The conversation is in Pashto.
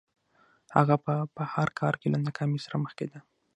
هغه به په هر کار کې له ناکامۍ سره مخ کېده